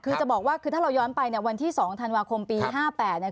คือจะบอกว่าคือถ้าเราย้อนไปเนี่ยวันที่๒ธันวาคมปี๕๘เนี่ย